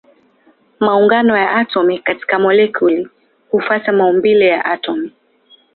Maungano ya atomi katika molekuli hufuata maumbile ya atomi.